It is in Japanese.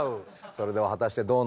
それでは果たしてどうなのか。